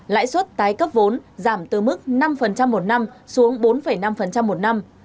lãi suất tái cấp vốn giảm từ mức năm một năm xuống bốn năm một năm